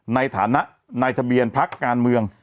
ในฐานะนายทะเบียนพักการเมือง